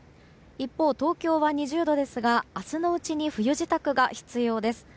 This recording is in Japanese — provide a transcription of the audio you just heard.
一方、東京は２０度ですが明日のうちに冬支度が必要です。